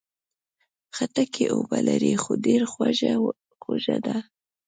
خټکی اوبه لري، خو ډېر خوږه ده.